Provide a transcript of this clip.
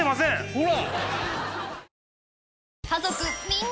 ほら！